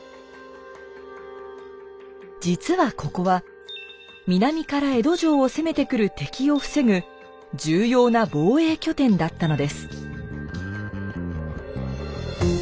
実はここは南から江戸城を攻めてくる敵を防ぐ重要な防衛拠点だったのです。